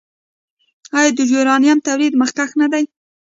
آیا د یورانیم تولید کې مخکښ نه دی؟